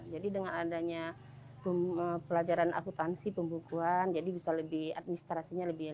jadi dengan adanya pelajaran akutansi pembukuan jadi bisa lebih administrasinya lebih luas